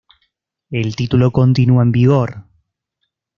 El título continua en vigor.